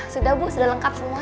sudah bu sudah lengkap semua